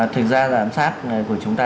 thực ra giám sát của chúng ta